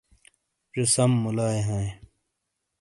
زے سم مُلائے ہاںئے